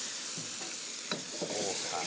そうか。